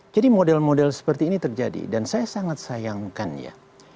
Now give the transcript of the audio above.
jadi model model seperti ini terjadi dan saya sangat sayangkan ya